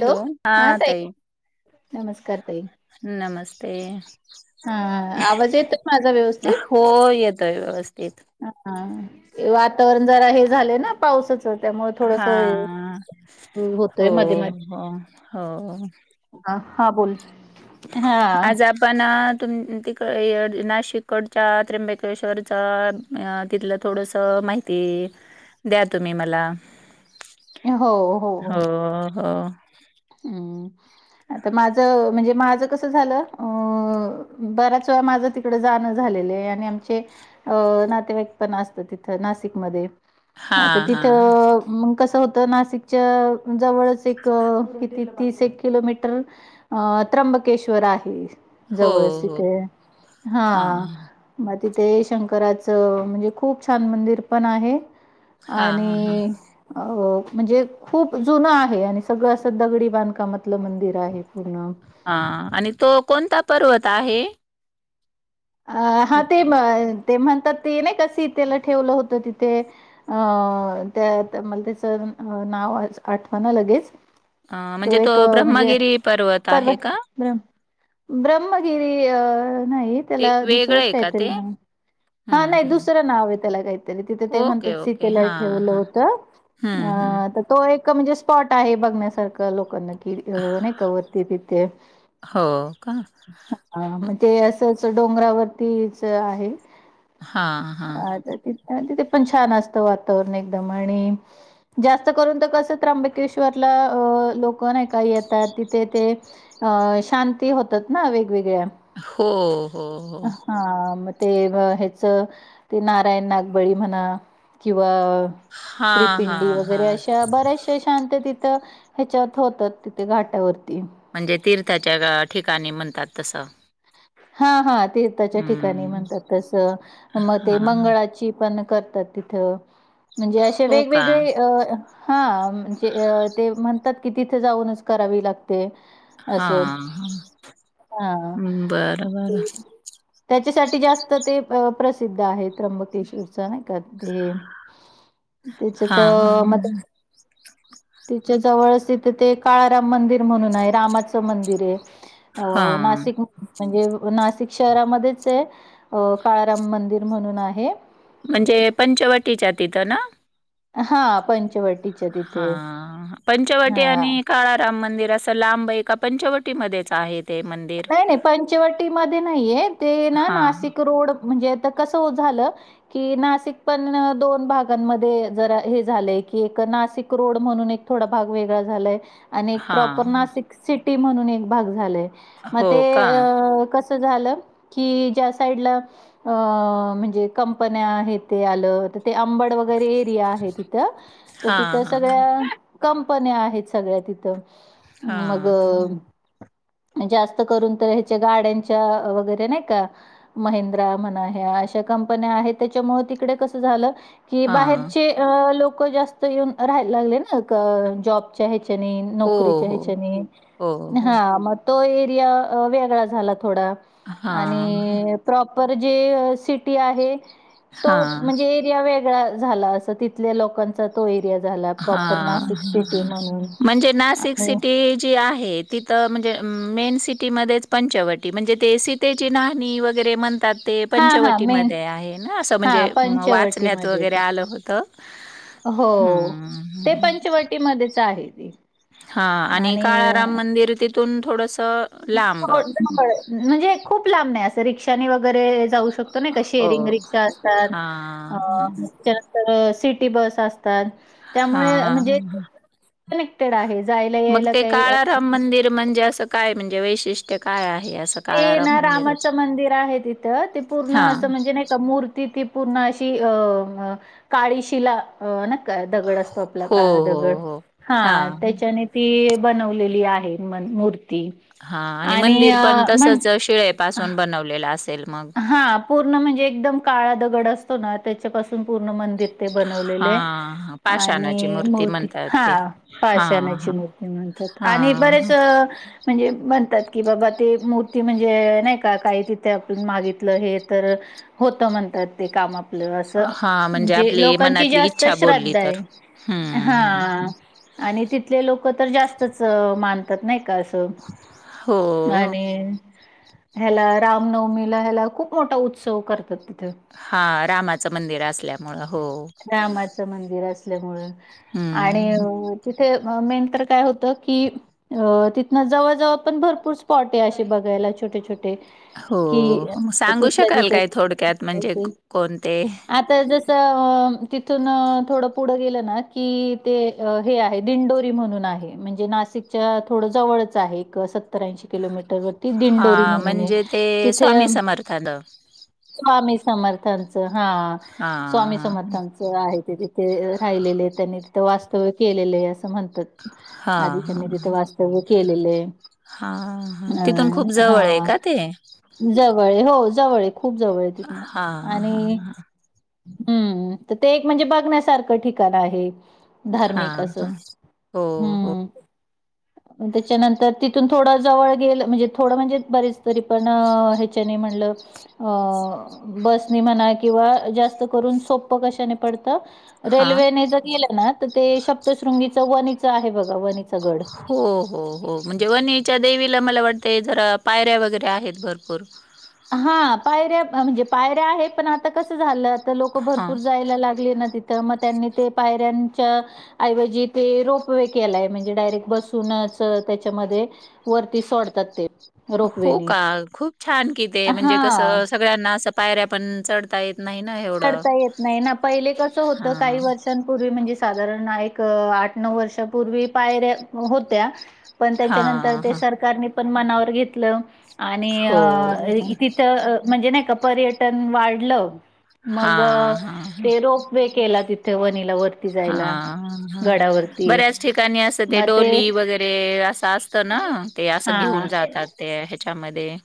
Hello हा तई नमस्कार ताई नमस्ते. हा आवाज येतोय माझा व्यवस्थित हो येतोय व्यवस्थित हा. वातावरण जरा हे झालय ना पावसाच च त्यामुळे थोडस हा हे होतोय हो मध्ये मध्ये. हो हो अ हा बोल. हा आज आपण तुम तिकयड नाशिककडच्या त्र्यंबकेश्वरच अ तिथलं थोडंसं माहिती द्या तुम्ही मला. हो हो. आता माझ म्हणजे माझ कस झालं अ बराच च माझं तिकड जाणं झालेलं ए आणि आमचे अ नातेवाईक पण असत तिथं नाशिकमध्ये. हा आता हा तिथं मग कसं होतं नाशिकच्या जवळच एक किती तीस एक किलोमीटर अ त्र्यंबकेश्वर आहे. हो जवळच हो तिथे हा म तिथे शंकराचं म्हणजे खूप छान मंदिर पण आहे. हा आणि हा अ म्हणजे खूप जुन आहे आणि सगळं अस दगडी बांधकामातलं मंदिर आहेत. हा आणि तो कोणता पर्वत आहे? अ हा ते म ते म्हणतात ते नाई का सीतेला ठेवलं होत तिथे अ त्या ता मला त्याच नाव च आठवाना लगेच. अ तो म्हणजे एक म्हणजे ब्रह्मगिरी आहे पर्वत का ब्र ब्रह्मगिरी अ नाय. ते त्याला वेगळं दुसरंच आहे का काहीतरी ते नाव हा हम्म नाई हम्म दुसरं नाव ए त्याला काहीतरी तिथे ते ओके, म्हणतात ओके. सीतेला हां, ठेवलं हां. होत अ हं, हं. ता तो एक क म्हणजे स्पॉट आहे बघण्यासारखं लोकांना कि नाई का वरती तिथे हो का? अ म ते असं च डोंगरावरतीच आहे हां, हां. [unintelligible] पण छान असत वातावरण एकदम आणि जास्त करून कस त्र्यबकेश्वरला अ अं लोक नाही का येतात. तिथे ते अ शांती होतात ना वेगवेगळ्या. हो. हो, हो. अ हा म ते म ह्याच ते नारायण नागबळी म्हणा किंवा हां, त्रिपिंडी हां, वगैरे हां. अशा बऱ्याशा शांततिथ त ह्याच्या होतात तिथे घाटावर. म्हणजे तीर्थाच्या गा ठिकाणी म्हणतात तसं. हा-हा ते त्याच्या ठिकाणी हं. म्हणतात तसं मग ते हां. मंगळाची पण करतात तथ म्हणजे अशे हो का? वेगगळे अ हां. म्हणजे ते म्हणतात की तिथे जाऊनच करावी लाग ते अस हां, हां. हां. बरं, बरं. त्याच्यासाठी जास्त ते अ प्रसिद्ध आहे त्र्यंबकेश्वरच नाय का ते तेच्यात हां, मध्येच तिच्या जवळच त तिथे काळाराम मंदिर म्हणून हाय रामाचं मंदिर ए. अ हां. नाशिक म्हणजे नाशिक शहरामध्येच हे अ काळाराम मंदिर म्हणून आहे. म्हणजे पंचवटीच्या तिथं ना? हा पंचवटी. हा पंचवटी आणि काळाराम मं मंदिर असं लांब एका पंचवटीमध्येध्येच आहे. ते मंदिर? नाही नाही पंचवटीमध्ये नाही आहे ते ना हां, नाशिक रोड म्हणजे आ कसं हो झालं की नाशिक पण दोन भागांमध्ये जरा हे झालंय की एक नाशिक रोड म्हणून एक थोडा भाग वेगळा झालाय आणि एक प्रॉपर हां. नाशिक सिटी म्हणून एक भाग झालाय मग हो ते का? अ कस झालं की ज्या साईडला म्हणजे कंपन्या आहेत ते ते अंबड वगैरे एरिया आहे तिथं तर हां, तिथं हां. सगळ्या क आहेत सगळ्या तथ मग हां. जास त करून ह्याच्या गाड्यांच्या वगैरे नाही का महिन्द्रा म्हना या त्याच्यामुळे तिकडे कस झालं कि हां. बाहेरचे लोक जास्त येऊन राहायला लागले ना जॉबच्या हेच्यानी हो, नोकरीच्या हो. हेच्यानी हो, हो. हा मग तो ऐरिया वेगळा झाला, थोडा हां, हां, आणि प्रॉपर जे सिटी आहे तो हां, म्हणजे ऐरिया वेगळा झाला अस तिथल्या लोकांचा तो एक हा म्हणून [inaudible] म्हणजे नाशिक आणि सिटी जी आहे तिथ म्हणजे मेन सिटी पंचवटी म्हणजे सितिची नहानी वगैरे आता ते हां, हां. मेन पंचवटीमध्ये आहे ना असं म्हणजे हां, वाचण्यात पंचवटीमध्ये वगैरे ते. आलं होत हो ते पंचवटीमध्येच आहे. हा आणि काळाराम मंदिर तिथून थोडस म्हणजे खूप लांब नाही अस रिक्षानी वगैरे, हो. शेंग रात हां, त्या सटी ब हां, त्यामुळे म्हणजे हां. कनेक्टेड आहे. जायला मग यायला ते काही काळधाम असं मंदिर म्हणजे असं काय म्हणजे वैशिष्ट्य काय आहे. असं ते काळाराम ना मंदिराच रामाचं मंदिर आहे तिथं ते पूर्ण हा असं म्हणजे नाही का मूर्ती ति पूर्ण अशी अ काळीशिला दगड असतो आपला हो काळा हो दगड हो हा त्याच्याने त बनवलेली आहे मूर्ती हा आणि मंदिर पण म्हण तसच शिळे पाासून बनवलेलं असेल मग हा पूर्ण म्हणजे एकदम काळा दगड असतो ना त्याच्यापासून पूर्ण मंदिर ते हा बनवलेले हा पाषाणाची मूर्ती आणिती म्हणतात हा ते हा पाश नाही हा म्हणतात हा आणि बरेच म्हणजे म्हणतात की बाबा ते मूर्ती म्हणजे नाही का काही तिथं मागित हे तर होत म्हणतात ते काम आपलं असं हा हा म्हणजे आपली लोकांची मनातली जास्त इच्छा बोलली श्रद्धा तर आहे हम्म हम्म हम्म हा आणि तिथले लोक तर जास्तच मान नाही का अस हो आणि ह्याला राम नमी ला खूप मोठा उत्सव करतात हा रामाचं मंदिर असल्यामुं रामाचं मंदिर असल्यामुळे आणि हम्म तिथे मेन तर काय होत की अ तिथन जवळ जवळ पण भरपूर स्पॉट आहे असे बघयला छट छोटे हो कि मग सांगू तिथल्या शकाल काय थोडक्यात म्हणजे तिथ कोणते आता जस अ तिथून थोडं पुढं गेलं ना की ते हे आहे दिंडोरी म्हणून आहे म्हणजे नाशिकच्या थोडं जवळच आहे एक सत्तरऐंशी किलोमीटर व ती दिंडोरी हा म्हणून आहे म्हणजे ते तिथे स्वामी समर्थान स्वामी समर्थांचं हा हा स्वामी हा समर्थांचं आहे ते तिथे राहिलेले त्यांनी तथ वास्तव्य केलेलं आहे असं म्हणतात हा आधी हा त्यांनी तिथं वास्तव्य केले हा हा अ तिथून खूप हा जवळ आहे का ते? जवळ हो जवळ खूप जवळ आहे हा तथन हा आणि हम्म तर ते एक म्हणजे बघण्यासारखं ठिकाण आहे हा धार्मिक असं हा हो हो हम्म त्याच्यानंतर तिथून थोड जवळ गेल म्हणजे थोडं म्हणजे बरेच तरी पण ह्याच्या म्ह म्ह क [inaudible] हा चव्हाणीच आहे बघा व हो हो हो म्हणजे वणीच्या देवीला मला वाट ते जरा पायऱ्या वगैरे आहेत भरपूर हां, पायऱ्या म्हणजे पायऱ्या आहे पण आता कसं झालं आता लोक हा भरपूर जायला लागले ना तथ मग त्यांनी ते पायऱ्यांच्या ऐवजी ते रोप व केलाय म्हणजे डायरेक्ट बसून त्याच्यामध्ये वरती सोडतात ते हो रोपवेनी. का खूप छान कि ते म्हणजे हां. कसं सगळ्यांना असं पायऱ्या पण चढतायेत डता येत नाही ना पहिले कसं होतं हा काही वर्षांपूर्वी म्हणजे साधारण एक आठ नऊ वर्षापूर्वी पायऱ्या होत्या पण हा त्याच्यानंतर ते हा सरकारने पण मनावर घेतलं आणि हो अ तिथं म्हणजे नाही का पर्यटन वाढलं हा मग हा ते रोप वे केला तिथे वनीिला वर हा बऱ्याच ठिकाणी अस ते डोली वगैरे असं असत ना ह ते असं हा घेऊन जातात ते ह्याच्यामध्ये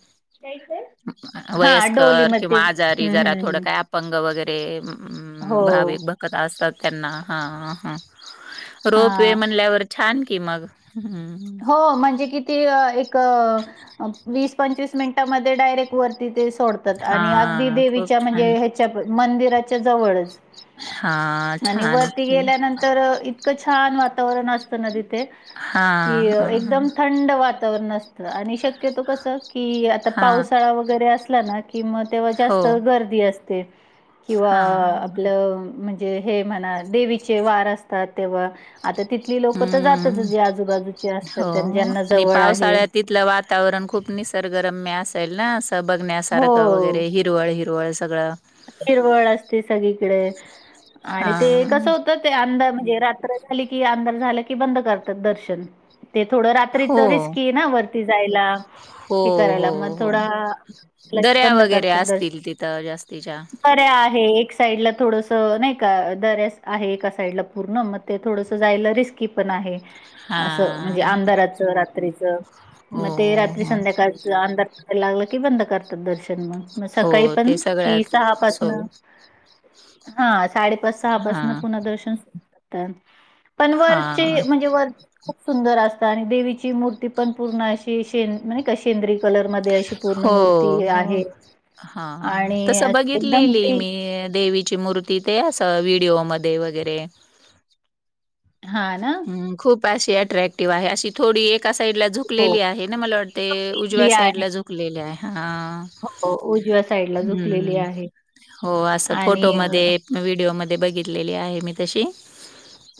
हा डोली वयस्कर म ते किंवा आजारी हम्म जरा हम्म थोडं हम्म काय अपंग वगैरे हो भाविक बघत असतात त्यांना हा ह रोप हा वे म्हणल्यावर छान की मग हम्म हो म्हणजे किती वीस पंचवीस मिनिटमध्ये डायरेक्ट वरती ते सोडतात आणि अगदी हां खूप देवीच्या म्हणजे छान ह्याच्या मंदिराच्या जवळच हां आणि छान वरती गेल्यानंतर इतकं छान वातावरण असत ना तिथे कि हां हां हां एकदम थंड व आणि शक्यतो कस कि आता हां पावसाळा वगैरे असला ना किंवा तेव्हा हो जास्त गर्दी असते किंवा हां आपलं म्हणज म्हणा देचे वार असतात तेव्हा आता तिथली लोक जात हम्म. आजूबाजू हो आणि पावसाळ्यात तिथलं वातावरण खूप निसर्गरम्य असेल ना बघण्यासारखं हो वगैरे हिरवळ हिरवळ सगळं हिरवळ असते सगळीकडे हा आणि ते कसं होतं ते अंद णे रात्र झाली की अंधार झालं की बंद करतात दर्शन ते थोडं हो रात्रीच रिस्की ना वरती जायला हो हे हो करायला मग हो थोडा लगेच दर्या बंद वगैरे करतात दर्शन. असतील तिथं जास्तीच्या दऱ्या एक साईड थोडस नाही का दऱ्या आहे एका साईडला पूर्ण मग ते थोडस जाय म्हण हा आार र्रीच हो मग ते रात्री हो संध्याकाळच आंधार लागलं की बंद करतात दर्शन मग मग सकाळी हो पण ते कि सगळ्यात सहा पाासन सो हा साडेपाच सहा हा पासून पुन्हा दर्शन सुरूात पण हा वरचे म्हणजे वर खूप सुंदर असतात आणि देवीची मूर्ती पण पूर्ण अशी शे म्ह क सेंद्रिक कलर म अशी पूर्ण हो मूर्ती हो आहे हा आणि तसं एकदम बघितलेली ते मी देवीची मूर्ती ते अस व्हिडिओमध्ये वगैरे हा ना अट्रॅक्टिव आहे अशी थोडी एक साईड ला हो. झुकलेली आहे ना मला वाटते उजव्या झुकलेली साईड आहे ला झुकलेली आहे हा हो उजव्या साईडला झुकलेली ् आहे. हो अस आणि फोटोमध्ये व्हडिओमध्ये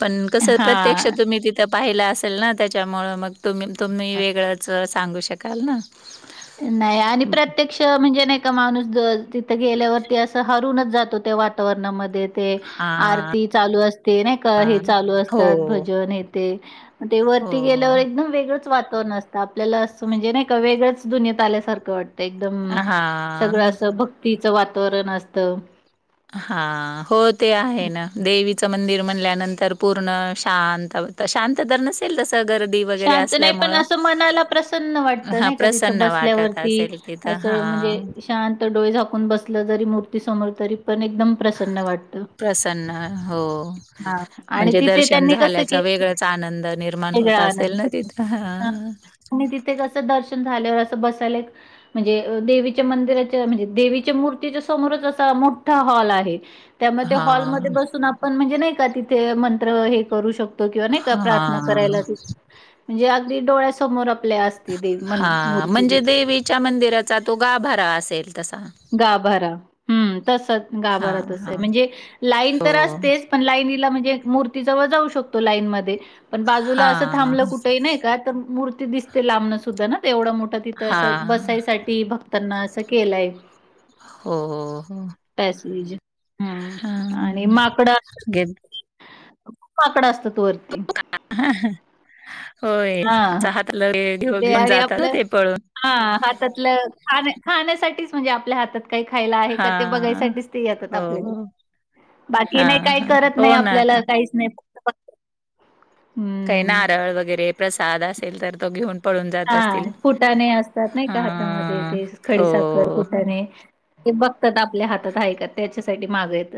पण क हा प्र्य त त पाहिलं असेल ना त्याच्यामुळं मग तुम्ही तुम्ही वेगळंच सांगू शकाल ना नाही आणि हं, प्रत्यक्ष म्हणजे नाही का माणूस ज गेल्यावरती असं हरूनच जातो त्या वातावरणामध्ये हां, आरती चालू असते नाही का हे हां. चालू हो, असतात भजन येथे ते वरती गेल्यावर हो. एकदम वेगळंच वातावरण असतं आपल्याला असं म्हणजे नाही का वेगळं दुनियात आल्यासारखं वाटतं एकदम हां. सगळं असं भक्तीचं वातावरण असत हा हो ते आहे ना देवीचं मंदिर म्हल्यानंतर पूर्ण शां शांत तर नसेल तस शांत नाही पण असं मनाला प्रसन्न वाटत हां, नाही का तिथं प्रसन्न वाटत बसल्यावरती असेल तिथं. म्हणजे हां, शां डोळे झाकून बस जरी मू समो पण एकदम प्रसन्न वाटतं प्रसन्न हो हा आणि म्हणजे तिथे दर्शन त्यांनी कसं झाल्याचा केलं वेगळच आनंद निर्माण वेगळा होत असेल ल आनंद त्र ह अस बय म्हणजे देच्या मंदि म्हणजे देच्या मूर्तीच्या समोरच मोठा हॉल आहे त्यामुळे ते हॉलमध्ये हां, बसून आपण म्हणजे नाही का तिथे मंत्र हे करू शकतो किंवा नाही प्रार्थ हां, कराला म्हणजे अगदी डोळ्यासमोर आपल्या असते देव मन हा मूर्ती म्हणजे तिथे देवीच्या मंदिराचा तू गाभरा असेल तसा. गाभरा तस हां, गाभरा तस आहे हां. म्हणजे लाईन हो. तर असतेच पण ला ला म्हणजे मूर्तीजवळ जाऊ शकतो लाईन म पण बाजूला असं हां, थांबलं कुठेही नाही का तर मूर् दिसते लांबणं सुद्धा ना ते एवढं मोठं तिथं असं हां. बसायसाठी भक्तांना असं केलंय हो हो हो हम्म आणि हां. माकडंप गे माकडं असतात पवर्ती होय हा हाताला घेऊ ते घेऊन आणि जातात ना आपलं ते पळून हा हातातलं खाान खाण्यासाठीच म्हणजे आपल्या हातात काही खायला आहे हा का ते बघायसाठीच ते येतात हो आपल्याला बाकी हा नाही काही हा करत नाही हो ना आपल्याला आता काहीच नाही फक्त काही हम्म. नारळ वगैरे प्रसाद असेल तर तोघे हा फुटाणे असतात नाही हा का हातामध्ये ते खडी हो साखर फुटाणे ते बघतात आपल्या हातात आहे का त्याच्यासाठी माग येत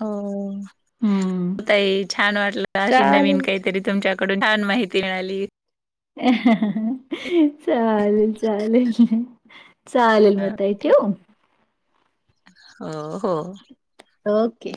हो होताई छान वाटलं अशी नवीन चालेल. काहीतरी तुमच्या डून छान माहिती मिळाली चालेल चालेल चालेल ताई ठेवू हो हो ओके